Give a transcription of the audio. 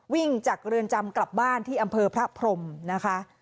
วิ่งจากเรือนจำกลับบ้านที่อำเภอพระพรมนะคะ